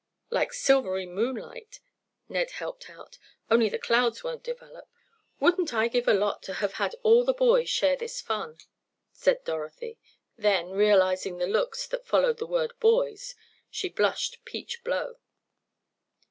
"Like silvery moonlight," Ned helped out, "only the clouds won't develop." "Wouldn't I give a lot to have had all the boys share this fun," said Dorothy. Then, realizing the looks that followed the word "boys," she blushed peach blow.